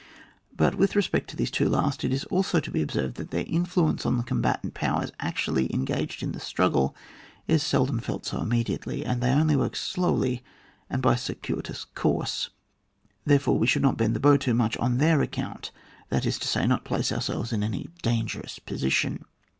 But with respect to these two last, it is also to be observed that their influence on the combatant powers actually en gaged in the struggle, is seldom felt so immediately ; they only work slowly and by a circuitous course; therefore we should not bend the bow too much on their account, that is to say, not place ourselves in any dangerous position.